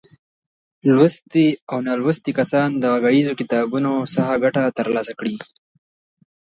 لوستي او نالوستي کسان د غږیزو کتابونو څخه ګټه تر لاسه کړي.